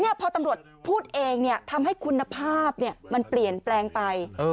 พอตำรวจพูดเองทำให้คุณภาพมันเปลี่ยนแปลงไป